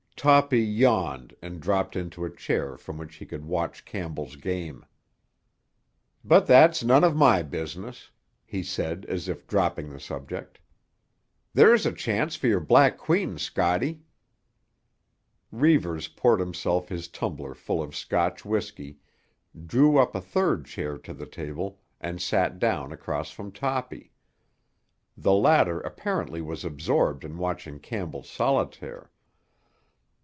Toppy yawned and dropped into a chair from which he could watch Campbell's game. "But that's none of my business," he said as if dropping the subject. "There's a chance for your black queen, Scotty." Reivers poured himself his tumbler full of Scotch whiskey, drew up a third chair to the table and sat down across from Toppy. The latter apparently was absorbed in watching Campbell's solitaire.